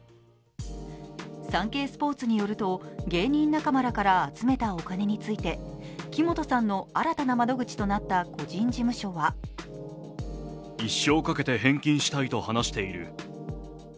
「サンケイスポーツ」によると芸人仲間らから集めたお金について木本さんの新たな窓口となった個人事務所はとコメント。